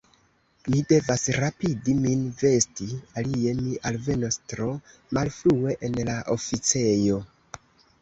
Mi devas rapidi min vesti, alie mi alvenos tro malfrue en la oficejo.